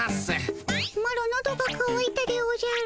マロのどがかわいたでおじゃる。